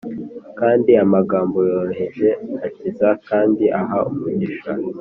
kandi amagambo yoroheje akiza kandi aha umugisha;